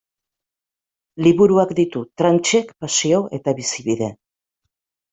Liburuak ditu Tranchek pasio eta bizibide.